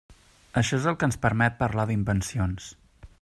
Això és el que ens permet parlar d'invencions.